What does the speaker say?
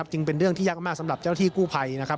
จึงเป็นเรื่องที่ยากมากสำหรับเจ้าที่กู้ภัยนะครับ